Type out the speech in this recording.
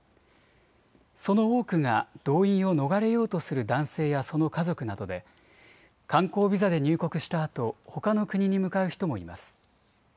その多くが動員を逃れようとする男性やその家族などで観光ビザで入国したあとほかの国に向かう人もいます。